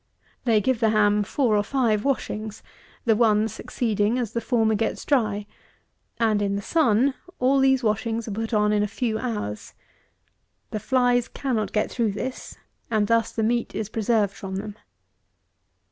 They give the ham four or five washings, the one succeeding as the former gets dry; and in the sun, all these washings are put on in a few hours. The flies cannot get through this; and thus the meat is preserved from them.